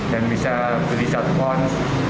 dan bisa beli satu pohon